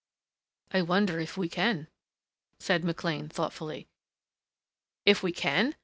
"I wonder if we can," said McLean thoughtfully. "If we can?